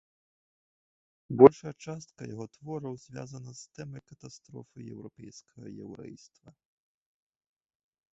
Большая частка яго твораў звязана з тэмай катастрофы еўрапейскага яўрэйства.